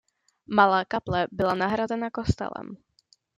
Malá kaple byla nahrazena kostelem.